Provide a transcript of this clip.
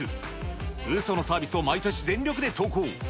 うそのサービスを毎年、全力で投稿。